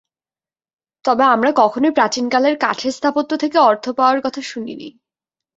তবে আমরা কখনোই প্রাচীনকালের কাঠের স্থাপত্য থেকে অর্থ পাওয়ার কথা শুনিনি।